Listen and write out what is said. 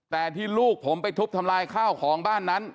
แต่ที่ลูกผมไปทุบทำลายข้าวของบ้านนั้น